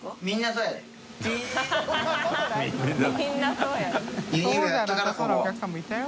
そうじゃなさそうなお客さんもいたよ。